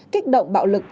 kích động bạo lực